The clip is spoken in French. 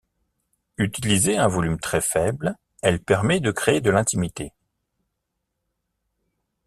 Utilisée à un volume très faible, elle permet de créer de l'intimité.